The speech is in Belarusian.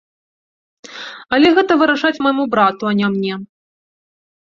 Але гэта вырашаць майму брату, а не мне.